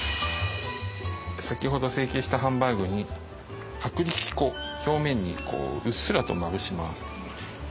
先ほど成形したハンバーグに薄力粉表面にうっすらとまぶします。